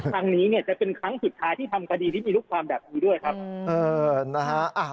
ครั้งนี้เนี่ยจะเป็นครั้งสุดท้ายที่ทำคดีที่มีลูกความแบบนี้ด้วยครับ